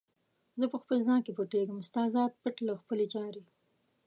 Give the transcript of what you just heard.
زه په خپل ځان کې پټیږم، ستا ذات پټ له خپلي چارې